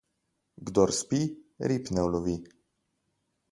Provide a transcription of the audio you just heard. Kdor spi, rib ne ulovi.